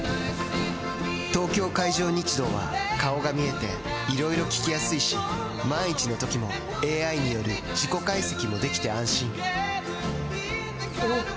東京海上日動は顔が見えていろいろ聞きやすいし万一のときもＡＩによる事故解析もできて安心おぉ！